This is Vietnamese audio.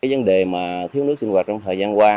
vấn đề mà thiếu nước sinh hoạt trong thời gian qua